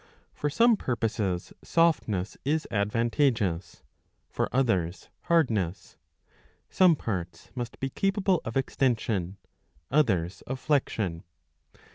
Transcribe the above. For some purposes softness is advantageous, for others hardness ; some parts must be capable of extension, others of flexion.